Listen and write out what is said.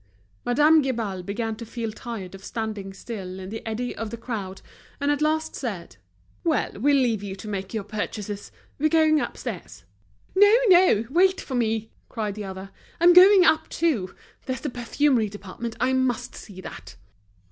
Madame Guibal began to feel tired of standing still in the eddy of the crowd, and at last said: "Well, we'll leave you to make your purchases. We're going upstairs." "No, no, wait for me!" cried the other. "I'm going up too. There's the perfumery department, I must see that."